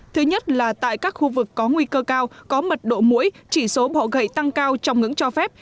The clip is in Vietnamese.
thứ nhất là tại các khu vực có nguy cơ cao có mật độ mũi chỉ số bọ gậy tăng cao trong ngưỡng cho phép